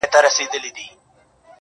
• د مسجد لوري، د مندر او کلیسا لوري_